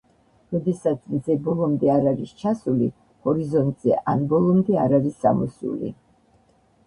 როდესაც მზე ბოლომდე არ არის ჩასული ჰორიზონტზე ან ბოლომდე არ არის ამოსული.